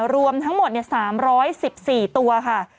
รวมทั้งหมด๓๑๔ตัวค่ะ